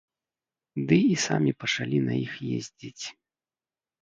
Ды і самі пачалі на іх ездзіць.